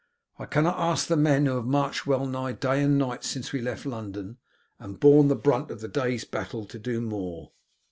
I cannot ask the men who have marched well nigh night and day since we left London, and borne the brunt of the day's battle, to do more.